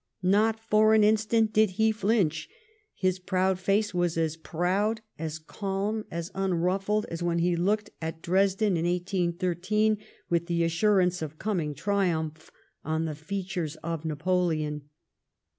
Not for an instant did he flinch. His proud face was as proud, as calm, as unruffled, as when it had looked at Dresden in 1813, with the assurance of coming triumph, on the features of Napoleon.